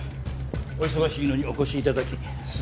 お忙しいのにお越しいただきすみません。